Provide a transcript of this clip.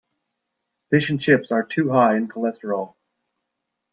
Fish and chips are too high in cholesterol.